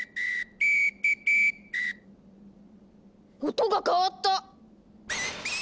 音が変わった！